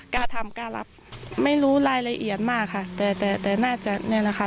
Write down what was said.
กล้าทำกล้ารับไม่รู้รายละเอียดมากค่ะแต่แต่น่าจะเนี่ยแหละค่ะ